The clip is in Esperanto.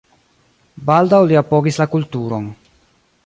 Baldaŭ li apogis la kulturon.